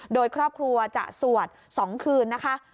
โดยครอบครัวจะสวด๒คืนนะคะ